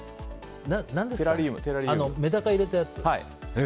メダカ入れたやつ。